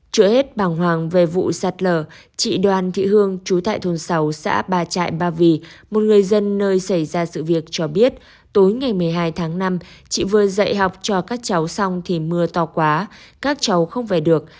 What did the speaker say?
trước hết bàng hoàng về vụ sạt lở chị đoàn thị hương chú tại thôn sáu xã ba trại ba vì một người dân nơi xảy ra sự việc cho biết tối ngày một mươi hai tháng năm chị vừa dạy học cho các cháu xong thì mưa to quá các cháu không về được